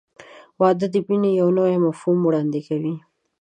• واده د مینې یو نوی مفهوم وړاندې کوي.